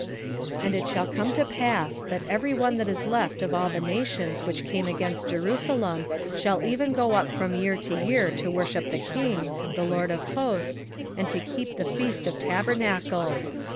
14:16 And it shall come to pass, that every one that is left of all the nations which came against Jerusalem shall even go up from year to year to worship the King, the LORD of hosts, and to keep the feast of tabernacles.